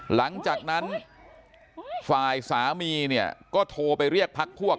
หลังจากนั้นฝ่ายสามีเนี่ยก็โทรไปเรียกพักพวก